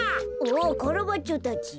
あカラバッチョたち。